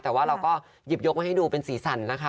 แต่ว่าเราก็หยิบยกมาให้ดูเป็นสีสันนะคะ